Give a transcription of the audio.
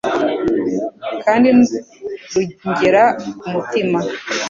kandi rungera ku mutima.